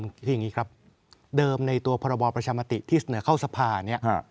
คืออย่างงี้ครับเดิมในตัวพบพมัติที่เสนอเข้าทหารเนี่ย